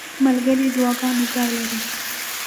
ملګری د دعاګانو ځای لري.